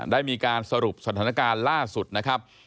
ได้มีการสรุปสถานการณ์ล่าสุดนะครับ